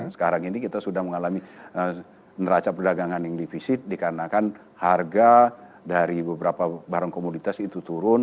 sekarang ini kita sudah mengalami neraca perdagangan yang divisit dikarenakan harga dari beberapa barang komoditas itu turun